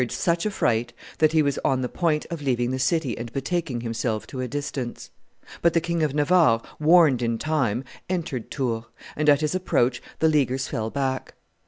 such a fright that he was on the point of leaving the city and betaking himself to a distance. But the King of Navarre, warned in time, entered Tours; and at his approach the Leaguers fell back.